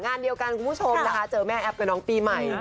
งานเดียวกันคุณผู้ชมนะคะเจอแม่แอฟกับน้องปีใหม่